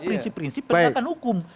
prinsip prinsip penyelidikan hukum